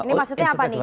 ini maksudnya apa nih